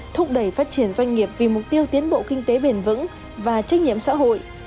thúc đẩy phát triển doanh nghiệp vì mục tiêu tiến bộ kinh tế bền vững và trách nhiệm xã hội